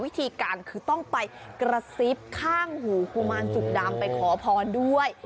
วิธีการคือต้องไปกระซิบข้างหูกุมารจุกดำไปขอพรด้วย